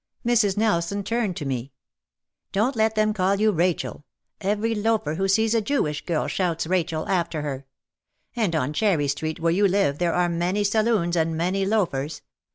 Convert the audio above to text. Mrs. Nelson turned to me : "Don't let them call you Rachel. Every loafer who sees a Jewish girl shouts 'Rachel' after her. And on Cherry Street where you live there are many saloons and many loafers.